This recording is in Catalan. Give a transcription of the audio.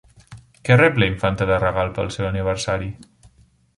Què rep la Infanta de regal pel seu aniversari?